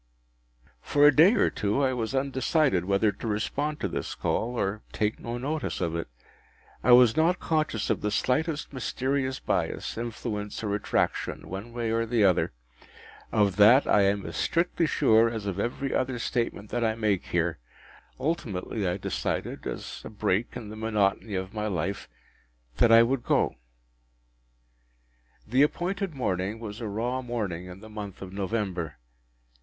For a day or two I was undecided whether to respond to this call, or take no notice of it. I was not conscious of the slightest mysterious bias, influence, or attraction, one way or other. Of that I am as strictly sure as of every other statement that I make here. Ultimately I decided, as a break in the monotony of my life, that I would go. The appointed morning was a raw morning in the month of November.